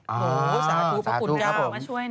โอ้โฮสาธุประคุณก้าวมาช่วยน้อง